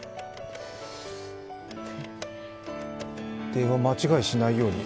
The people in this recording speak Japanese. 電話、間違いしないように。